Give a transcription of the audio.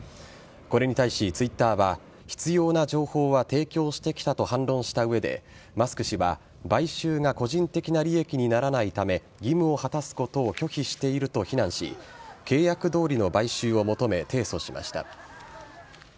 それに対しＴｗｉｔｔｅｒは必要な情報は提供してきたと反論した上でマスク氏は買収が個人的な利益にならないため義務を果たすことを拒否していると非難し契約どおりの買収を求め提訴しました。